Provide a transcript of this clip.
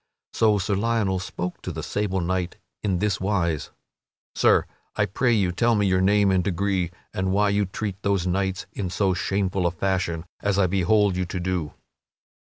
So Sir Lionel spoke to the sable knight in this wise: "Sir, I pray you tell me your name and degree and why you treat those knights in so shameful a fashion as I behold you to do."